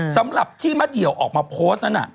สำหรับที่มะเดี่ยวออกมาโพสต์นั้น